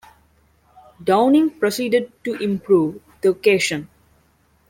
Downing proceeded to improve the occasion.